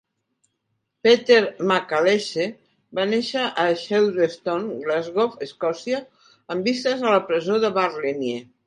Peter McAleese va néixer a Shettleston, Glasgow, Escòcia, amb vistes a la presó de Barlinnie.